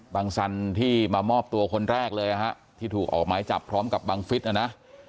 สันที่มามอบตัวคนแรกเลยนะฮะที่ถูกออกไม้จับพร้อมกับบังฟิศนะนะ